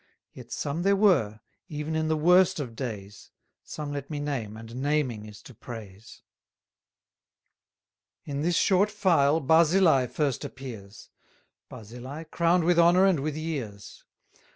Yet some there were, even in the worst of days; Some let me name, and naming is to praise. In this short file Barzillai first appears; Barzillai, crown'd with honour and with years.